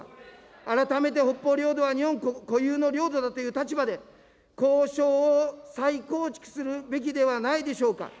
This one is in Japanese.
改めて北方領土は日本固有の領土だという立場で交渉を再構築するべきではないでしょうか。